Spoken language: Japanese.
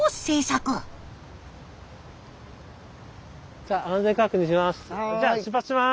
じゃあ安全確認します。